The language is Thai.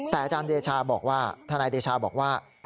แต่อาจารย์เดชาบอกว่าทนายเดชาบอกว่า